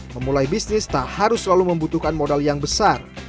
memulai bisnis tak harus selalu membutuhkan modal yang besar